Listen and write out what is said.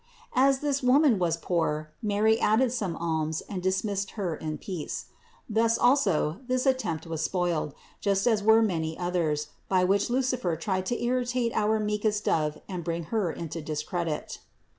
As this woman was poor, Mary added some alms and dismissed her in peace. Thus also this attempt was foiled, just as were many others, by which Lucifer tried to irritate our meekest Dove and THE INCARNATION 279 bring her into discredit.